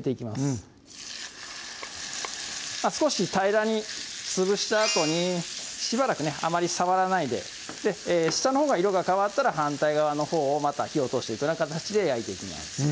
うん少し平らに潰したあとにしばらくねあまり触らないで下のほうが色が変わったら反対側のほうをまた火を通していくような形で焼いていきます